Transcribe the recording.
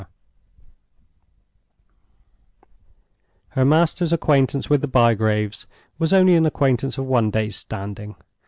Her master's acquaintance with the Bygraves was only an acquaintance of one day's standing.